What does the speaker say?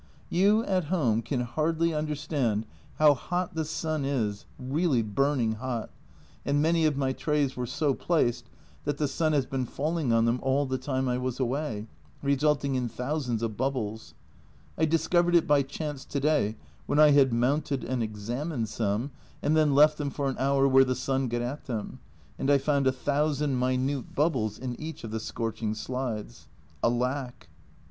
You at home can hardly understand how hot the sun is, really burning hot, and many of my trays were so placed that the sun has been falling on them all the time I was away, resulting in thousands of bubbles. I discovered it by chance to day, when I had mounted and examined some, and then left them for an hour where the sun got at them, and I found a thousand minute bubbles in each of the scorching slides. Alack